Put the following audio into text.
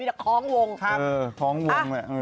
พี่หนุ่มก็รู้จัก